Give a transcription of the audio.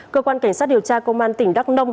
cơ quan cảnh sát điều tra công an tỉnh đắk nông